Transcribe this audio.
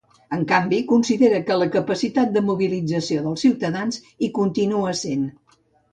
En canvi, considera que la capacitat de mobilització dels ciutadans hi continua essent.